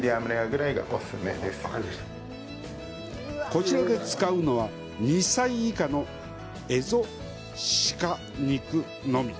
こちらで使うのは２歳以下のエゾシカ肉のみ。